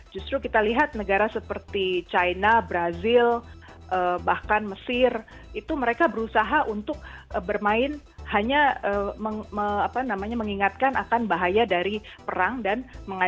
justru kita lihat negara seperti china brazil bahkan mesir itu mereka berusaha untuk bermain hanya mengingatkan akan bahaya dari perang